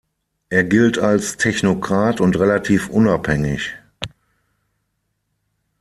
Er gilt als Technokrat und relativ unabhängig.